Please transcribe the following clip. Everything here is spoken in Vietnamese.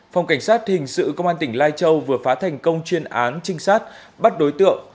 phòng cảnh sát hình sự công an tỉnh lai châu vừa phá thành công chuyên án trinh sát bắt đối tượng